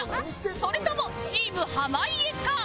それともチーム濱家か？